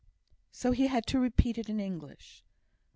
So he had to repeat it in English.